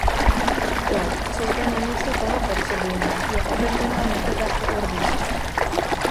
To, co zde namísto toho potřebujeme, je otevřená metoda koordinace.